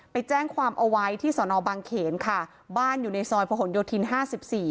ไปแจ้งความเอาไว้ที่สอนอบางเขนค่ะบ้านอยู่ในซอยประหลโยธินห้าสิบสี่